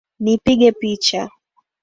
Nipige picha